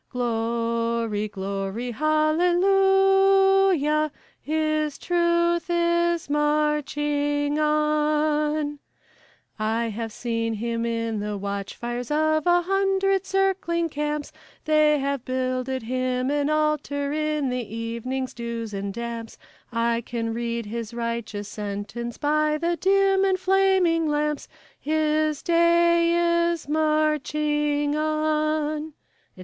Glory, glory, hallelujah! His truth is marching on. I have seen him in the watch fires of a hundred circling camps; They have builded Him an altar in the evening's dews and damps; I can read his righteous sentence by the dim and flaming lamps; His day is marching on, etc.